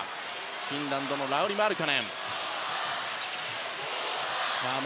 フィンランドのラウリ・マルカネン。